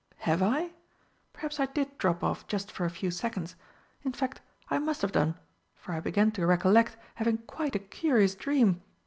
"Have I? Perhaps I did drop off just for a few seconds. In fact I must have done for I begin to recollect having quite a curious dream.